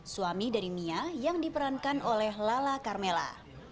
suami dari mia yang diperankan oleh lala carmela